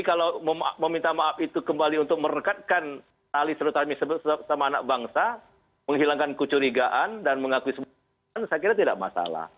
kalau meminta maaf itu kembali untuk merekatkan alih serta misi bersama anak bangsa menghilangkan kecurigaan dan mengakui semua itu saya kira tidak masalah